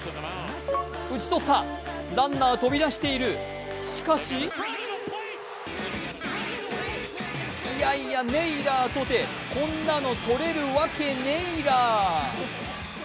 打ち取った、ランナー飛び出している、しかしいやいや、ネイラーとてこんなの取れるわけネイラー！